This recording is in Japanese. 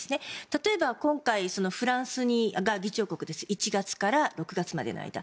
例えば、今回フランスが議長国で１月から６月までの間。